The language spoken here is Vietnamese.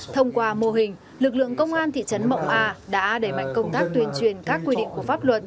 thông qua mô hình lực lượng công an thị trấn mậu a đã đẩy mạnh công tác tuyên truyền các quy định của pháp luật